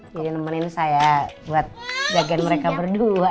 jadi nemenin saya buat jagain mereka berdua